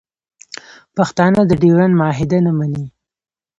پښتانه د ډیورنډ معاهده نه مني